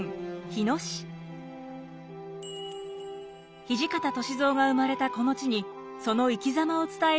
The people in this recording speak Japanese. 土方歳三が生まれたこの地にその生きざまを伝える資料館があります。